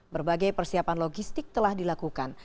berbagai persiapan logistik telah dilakukan